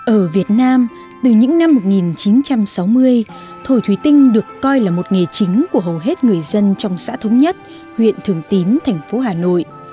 ở việt nam từ những năm một nghìn chín trăm sáu mươi thổi thủy tinh được coi là một nghề chính của hầu hết người dân trong xã thống nhất huyện thường tín thành phố hà nội